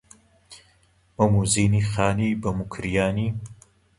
مەم و زینی خانی بە موکریانی